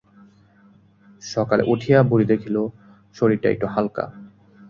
সকালে উঠিয়া বুড়ি দেখিল শরীরটা একটু হালকা।